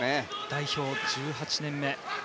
代表１８年目。